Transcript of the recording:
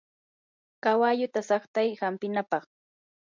kawalluta saqtay hampinapaq.